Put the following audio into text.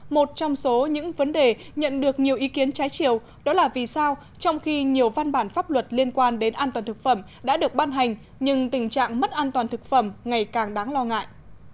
một trong số những vấn đề nhận được nhiều ý kiến trái chiều đó là vì sao trong khi nhiều văn bản pháp luật liên quan đến an toàn thực phẩm đã được ban hành nhưng tình trạng mất an toàn thực phẩm ngày càng đáng lo ngại